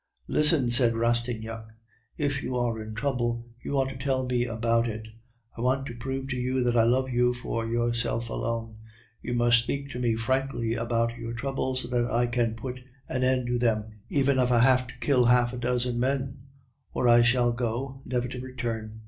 "Listen," said Rastignac; "if you are in trouble, you ought to tell me about it. I want to prove to you that I love you for yourself alone. You must speak to me frankly about your troubles, so that I can put an end to them, even if I have to kill half a dozen men; or I shall go, never to return."